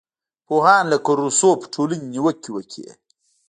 پوهان لکه روسو پر ټولنې نیوکې وکړې.